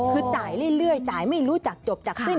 คือจ่ายเรื่อยจ่ายไม่รู้จักจบจากสิ้น